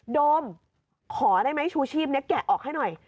โดมขอได้ไหมชูชีพนี้แกะออกให้หน่อย